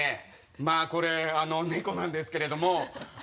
まぁこれ猫なんですけれども。